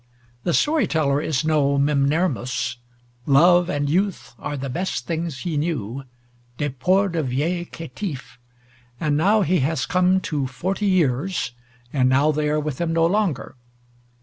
The story teller is no Mimnermus, Love and Youth are the best things he knew, "deport du viel caitif," and now he has "come to forty years," and now they are with him no longer.